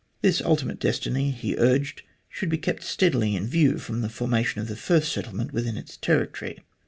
This ultimate destiny, he urged, should be kept steadily in view from the formation of the first settlement within its territory.